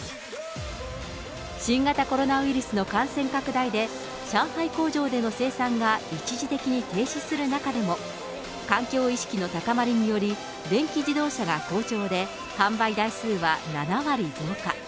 新型コロナウイルスの感染拡大で、上海工場での生産が一時的に停止する中でも、環境意識の高まりにより、電気自動車が好調で、販売台数は７割増加。